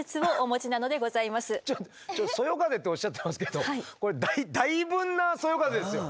ちょっとそよ風っておっしゃってますけどこれだいぶんなそよ風ですよ。